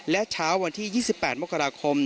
และเช้าวันที่๒๘มกราคม